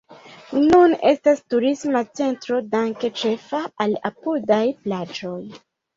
Nun estas turisma centro danke ĉefa al apudaj plaĝoj.